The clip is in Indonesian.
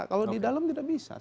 kalau di dalam tidak bisa